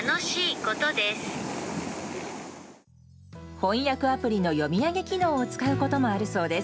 翻訳アプリの読み上げ機能を使うこともあるそうです。